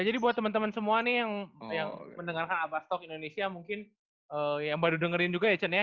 ya jadi buat temen temen semua nih yang mendengarkan abastok indonesia mungkin yang baru dengerin juga ya cen ya